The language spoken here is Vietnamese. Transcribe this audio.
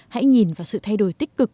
hãy nhìn vào sự thay đổi tích cực